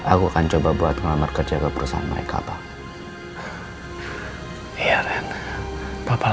aku akan coba buat melamar kerja ke perusahaan mereka pak